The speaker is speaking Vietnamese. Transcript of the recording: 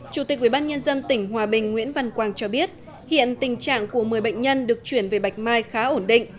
chủ tịch ubnd tỉnh hòa bình nguyễn văn quang cho biết hiện tình trạng của một mươi bệnh nhân được chuyển về bạch mai khá ổn định